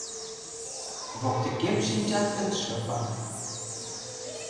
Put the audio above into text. Воктекем шинчат гын шыпак